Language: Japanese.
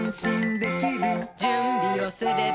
「じゅんびをすれば」